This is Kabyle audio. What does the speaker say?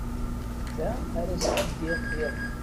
Da ara sɛeddiɣ iḍ.